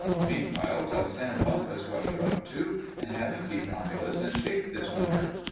Meanwhile, tell Sam Bumpus what you're up to and have him keep Romulus in shape this winter."